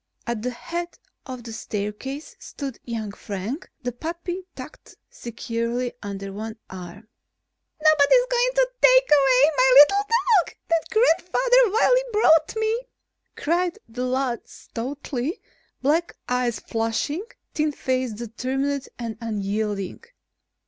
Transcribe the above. At the head of the staircase stood young Frank, the puppy tucked securely under one arm. "Nobody's going to take away my little dog that Great grandfather Wiley brought me," cried the lad stoutly, black eyes flashing, thin face determined and unyielding.